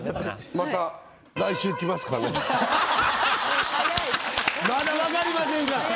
まだ分かりませんから。